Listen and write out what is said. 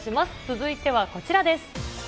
続いてはこちらです。